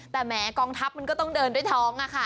แต่แม้กองทัพมันก็ต้องเดินด้วยท้องอะค่ะ